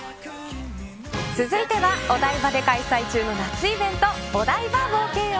続いてはお台場で開催中の夏イベントお台場冒険王。